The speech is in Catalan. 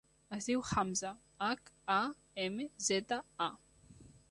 Es diu Hamza: hac, a, ema, zeta, a.